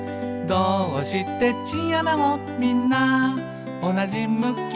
「どーうしてチンアナゴみんなおなじ向き？」